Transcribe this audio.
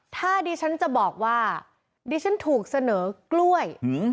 ถ้าดิฉันจะบอกว่าดิฉันถูกเสนอกล้วย